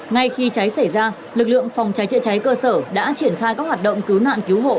ngay khi cháy xảy ra lực lượng phòng cháy chữa cháy cơ sở đã triển khai các hoạt động cứu nạn cứu hộ